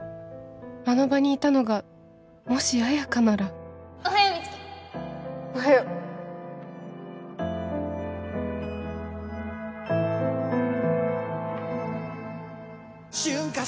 あの場にいたのがもし彩花ならおはよう美月